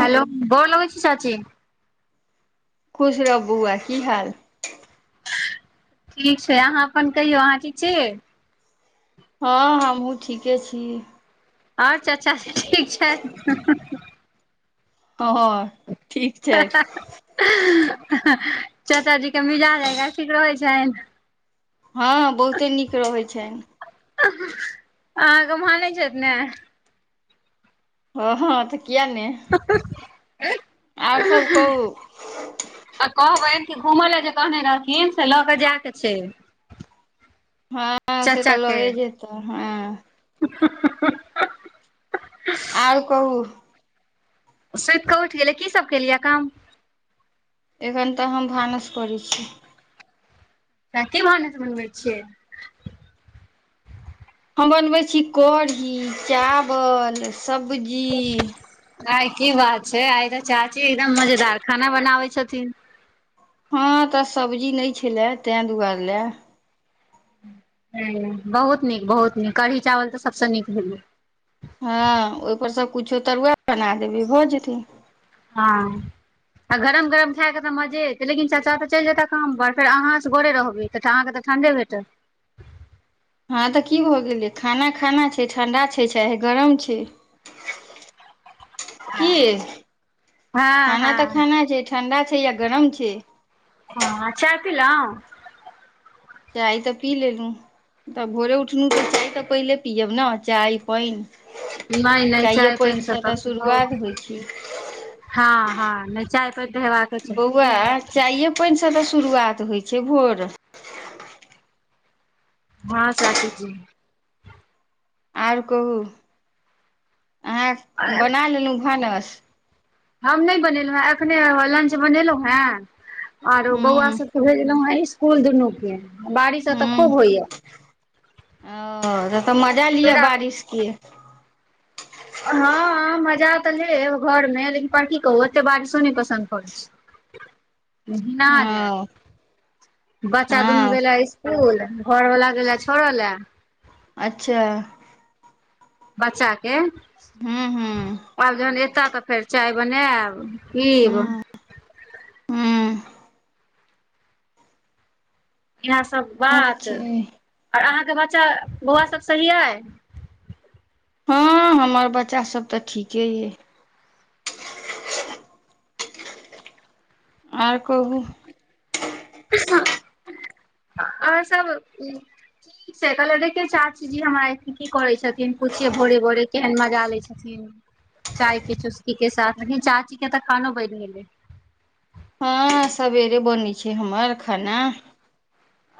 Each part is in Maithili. हेलो गोर लगै छी चाची खुश रह बौआ की हाल ठीक छै अहाँ अपन कहियौ अहाँ ठीक छी हँ हमहुँ ठीके छी आओर चाचा सब ठीक छै ह ह चाचा जी के मिजाज ठीक रहै छनि हँ बहुते नीक रहैन छनि अहाँके मान छथि छै ने ओ हँ तऽ किया ने आर सब कहु आ कहबै कि घूमय ल जे कहने रहथिन से लऽ के जाय के छै हँ से चाचा तऽ के लए जेतै हँ [unintelligible] आओर कहू सुति कऽ उठि गेलै की सभ केलियै काम एखन तऽ हम भानस करैत छी कथी भानस बनबै छियै हम बनबैत छी कढ़ी चावल सब्जी आइ की बात छै आइ तऽ चाची एकदम मजेदार खाना बनाबे छथिन हँ तऽ सब्जी नहि छलए तें दुआरे लए ह बहुत नीक बहुत नीक कढ़ी चावल तऽ सभसँ नीक भेले हँ ओहिपर सभ किछो तरुआए बना देबै भऽ जेतय हँ आ गरम गरम खाय के त मजे एतै लेकिन चाचा तऽ चल जेता काम पर फेर अहां असघड़े रहबै तऽहके त ठंडे भेतत हँ तऽ की भ गेलै खाना खाना छै ठंडा छै चाहे गरम छै [inaudible] की हँ खाना तऽ हँ खाना छै ठंडा छै या गरम छै हँ चाय पिलों चाय तऽ पी लेलहु तऽ भोरे उठलहुँ तऽ चाय तऽ पहिले पियब ने चाय पानि नहि नहि चाये चाय पानि से सब तऽ शुरुआत होइ छै हँ हँ नहि चाय पर देब बौआ चाइये पानिसँ तऽ शुरुआत होइत छै भोर हँ चाची जी आउर कहू अहाँ बना लेलहुँ भानस हम नहि बनेलहुँ हें अखने लंच बनेलहुं हें आओर बौआ हूँ सब भेजलौ हं स्कुल दुनू के बारिश एतऽ हूँ खूब होइय ये किस किए हँ मजा तऽ लेब घर मे लेकिन की कहू एते बारिशो नहि पसन्द पड़ैत छै घीना हँ जायब बच्चा दुनू हँ गेल स्कूल घर वला गेला छोड़ऽ लए अच्छा बच्चा के हूँ हूँ आब जहन एता तऽ फेर चाय बनायब पीब हँ हँ इएह सब इएह बात छै आओर अहाँके बच्चा बौआ सब सही अइ हँ हमर बच्चासभ तऽ ठीके अइ आओर कहू आर सब से कहलियै देखियै चाचीजी हमरा की करै छथिन पूछियै भोरे भोरे केहन मजा लै छथिन चाय के चुस्की के साथ चाचीे के तऽ खानो बइन गेलै हँ सबेरे बनै छै हमर खाना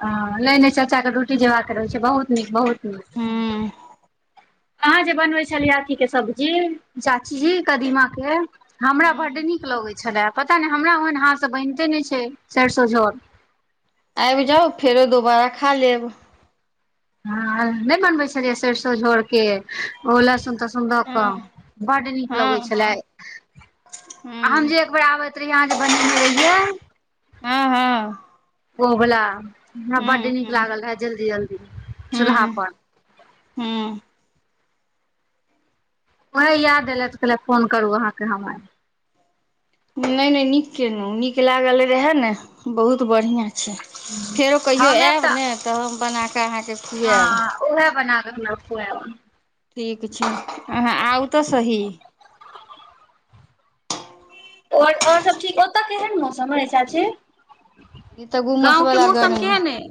ह नय नय चाचा के ड्युटी जेबाके रहै छै बहुत नीक बहुत नीक हूँ अहाँ जे बनबै छलियै अथीके सब्जी चाचीजी कदीमा के हमरा बड्ड हूँ नीक लगै छलय पता नय हमरा ओहन हाथसँ बनिते नहि छै सरिसो झोर आइब जाउ फेरो दोबारा खा लेब हं नय बनबै छलियै सरसो झोर के ओ लहसुन तस हँ बड्ड नीक लगै हँ हँ छलय हम हूँ जे एकबर आबै प्रिया जे बनेने रहियै हँ हँ ओ बला हमरा बड्ड हूँ नीक हूँ लागल रहै जल्दी जल्दी चूल्हा पर हँ ओहै याद एलै तऽ कहले फोन करू अहाँकेँ हम आय नय नय नीक केलहुँ नीक लागल रहे ने बहुत बढ़ियाँ अच्छा फेरो कहियो हम आयब आएब ने तऽ हम बना कऽ अहाँके हँ खुआएब उहे बना कऽ खुयैब ठीक छै अहाँ आउ तऽ सही ओर ओर सब ठीक ओतऽ केहन मौसम अय चाची ई तऽ गाँव के मौसम केहन अय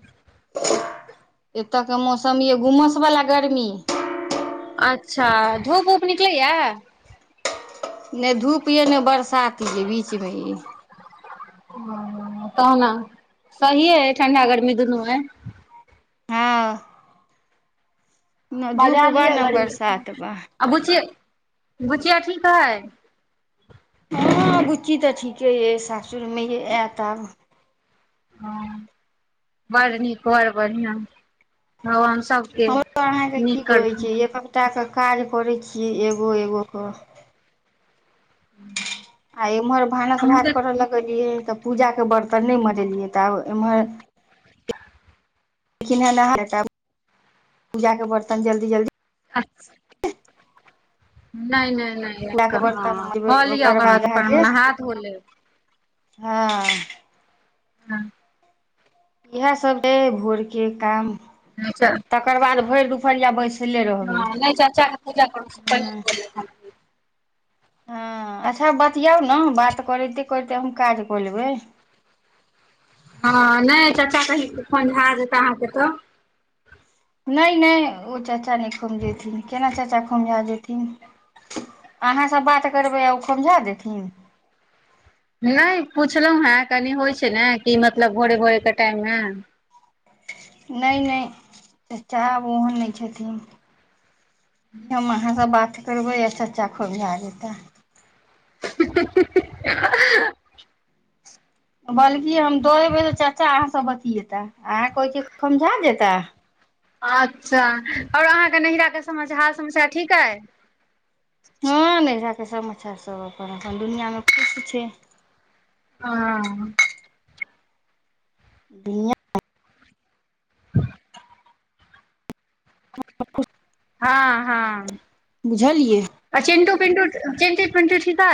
एतऽके मौसम यऽ गुमस वला गर्मी अच्छा धूप ऊप निकलैये नय धूप ययऽ नय बरसात यऽ बीचमे ई तह ने सहिए ठंडा गर्मी दुनू ऐ हँ नय धूप मजा बा लिअ न गर्मी के बरसात बा आ बुचिया बुचिया ठीक अय हँ बुच्ची तऽ ठीके अइ सासुर में यय एत आब हँ बड़ नीक बड़ बढ़ियां भगवान सब हमर अहाँके की कहै छै एककटा क काज करै छियै एगो एगो कऽ हं आ इम्हर भानस भात करऽ लगलियै तऽ पूजाके बर्तन नय मजेलियै तऽ आब एमहर लेकिन ह पूजा के बर्तन जल्दी जल्दी अच्छा [unintelligible] नय नय हँ पूजा के बर्तन मजेबै कहा लिअ ओकर बाद फेर अहाँके नहा धो लेब हँ हँ इएहसब छै भोरके काम नहि चल तकर बाद भइर दुपहरिया बैसले रहबै चर्चा [unintelligible] हँ हँ बतियाउ ने बात कइरते कइरते हम काज कऽ लेबै हँ नहि चाचा कही [unintelligible] फो भए जेतै अहाँके तऽ नय नय ओ चाचा नहि खौझेथिन केना चाचा खौझा जेथिन अहाँ सब बात करबै ओ खौझा जेथिन नहि पुछलहु हे कनी होइ छै ने कि मतलब भोरे भोरे के टाइम मे नय नय साहब ओहन नहि छथिन हम अहाँ से बात करबै आ चाचा खूब भए जेताै [inaudible] बल्की हम दऽ एबै तऽ चाचा अहाँ सँ बतियेताे अहाँ कहहिके समझा देता अच्छा और अहाँके न‌हिरा के सम हाल समाचार ठीक होइ हँ नहिरा के समाचार सब अपन अपन दुनिया मे किछ छै हँ [inaudible] [inaudible] हँ बुझलियै हँ चिन्टू पिन्टु चिन्टु पिंटु ठीक ह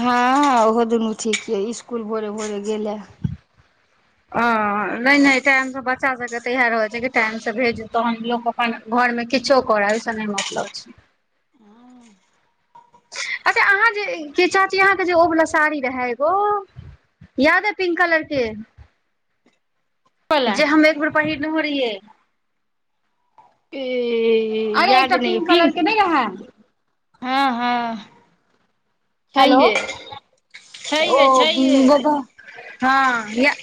हँ ओहो दुनू ठीक यऽ इसकुल भोरे भोरे गेल अ नहि नहि त आमस बात [unintelligible] अच्छा सब के त इा रह छै टाइम से भेज तो हमलोग अपन घर मे किछो करे ओहिस नहि मतलब छै अच्छा अहाँ जे चाची अहाँके जे ओवला साड़ी रहै एगो याद है पिंक कलर के बला जे हम एक बेर पहरने रहिय अरे याद एकटा नहि कलर पिंक के नहि रहै हँ हँ हेलो छैहे ओ छैहे छैहे [unintelligible] हँ य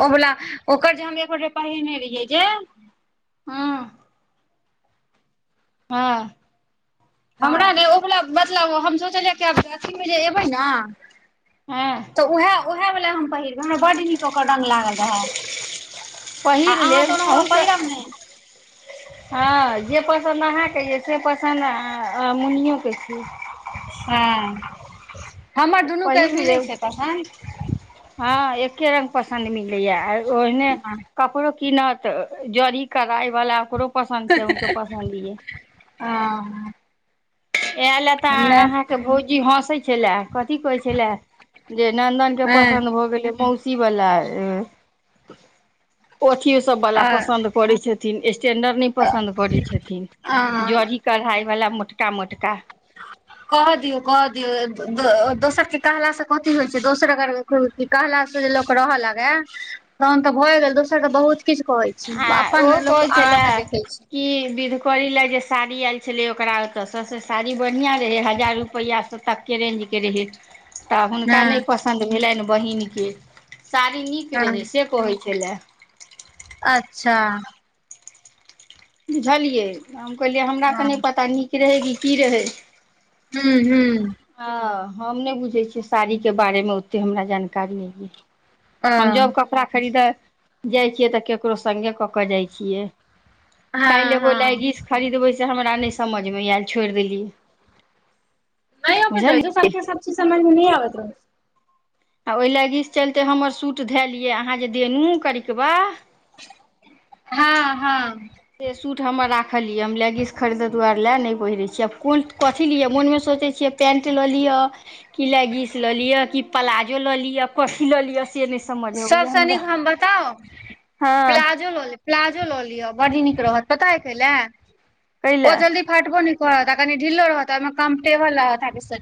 ओ वला ओकर जे हम एकोे पहिने रहियै जे हँ हँ हमरा ने ओक मतलब हम सोचलियै कि आब अथीमे जेे एबै न हँ तऽ उएह उएह वाला हम पहिरबै हमरा बड्ड नीक ओकर रंग लागल रहै पहिर लेब आहूँके पहिरब ने हँ जे पसन्द अहाँके यइ से पसन्द मुनियो के छै हँ हमर दुनू के पहिर मिलै लेब छै पसन्द हँ एक्के रंग पसन्द मिलैय ओहिने हँ कपड़ो कीनत जड़ी कड़ाई वला ओकरो पसन्द छै उनके पसन्द छै आ [inaudible] इहे ले तऽ अहाँके भौजी हँसै छलै कथी कहै छलै जे नन्दन के पसन्द भ गेलै बहूत कि बला ओ अथिये सब वला हँ पसंद करै छथिन स्टेंडर नहि पसन्द करै छथिन हँ जी कढ़ाई वला मोटका मोटका का [unintelligible] कहे दियऔ कहे दियऔ दोसर के कहलासँ कथी होइ छै दोसरक कहलाास से जे लोक रहऽ लगे तहन तऽ भए गेल दोसर के बहुत किछु कहै छी अपन लोक आगाँ ने देखै छी के विधकरी ले जे साड़ी आयल छे ओकरा ओताेस से साड़ी बढ़िया हजार रुपइया ह तक के रेंज के रहय तऽ हुनका नय हँ पसं सन्द भेलनि बहिनक के साड़ी नीक रहै हँ से कहै छलए अच्छा बुझलियै हम कहलियै हमरा हँ त नय पता नीक रहै कि की रहै हूँ हूँ हं हम नय बुझै छियै साड़ी के बारे में ओते हमरा जानकारी नय यय ओ हम जब कपड़ा खरीद जाइ छियै तऽ केकरो संगे कऽ कऽ जाइ छियै काल्हि हँ एगो हँ लैगिस खरीदबै से हमरा नय समझमे एल छोइड़ देलियै नय अबत बुझलियै रहै सबके सबचीज समझमे नै आबैत रह आ ओय लैगीस चलते हमर सूट धेलियै अहाँ जे देलु करिकबा हँ हँ से सूट हमर राखलयै हम लैगीस खरीदऽ दुआरे लय नइ पहिरै छी कुन कथी लिअ मोनमे सोचै छियै पैन्ट लऽ लिअ कि लैगीस लऽ लिअ कि प्लाजो लऽ लिअ कथी लऽ लिअ से नय सबसँ नीक हम बताउ हँ प्लाजो लऽ लेब प्लाजो लऽ लिअ बड्ड नीक रहत पता अइ कइलै कै ओ लए जल्दी फाटबो नय करत आ कनि ढिललो रहत हिमे कम्फटेबल रह बिस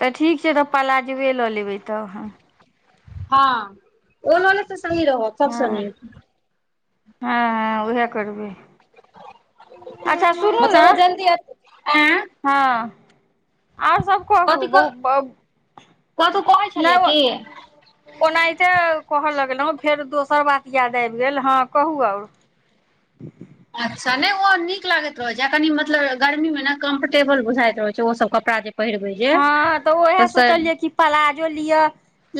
तऽ ठीक छै तऽ प्लाजोए लऽ लेबै तब हम हँ ओ ल लेब तऽ सही रहत सबस हँ नीक हँ ह उह करबय अच्छा सुनू न मतलब ओ जल्दी आँ हँ आओर सब कहू कथी क बहुत ब कथु कहै छलियै कि ओनाहिते कहऽ लगलहुँ फेर दोसर बात याद आइब गेल हँ कहू आऔर अच्छा नय ओ नीक लागैत रहैत छै कनि मतलब गर्मी में ने कम्फर्टेबल बुझाइत रहैत छै ओसब कपड़ा जे पहिरबै जे हँ तऽ ओ उएह ओस सोचलियै कि पलाजो लिअ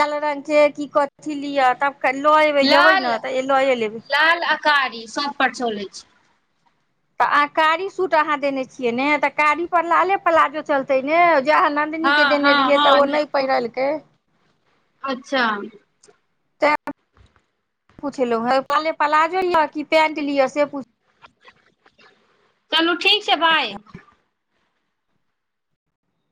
लाल रंग के की कथी लिअ तब क लऽ एबै जेबै लाल ने तऽ ए लऽ ए लेबै लाल कारी स पर चलय छै तऽ आ कारी सूट अहाँ देने छियै ने तऽ कारी पर लाले प्लाजो चलतय ने जह दनी हँ के देने हँ रहियै हँ तऽ ओ नय पहिरलकै अच्छा तैं पुछलहु हैं कहलियै प्लाजो लिय कि पैंट लिअ से पूछ चलू ठीक छै बाइ